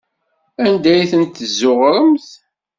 Anda ay tent-tezzuɣremt?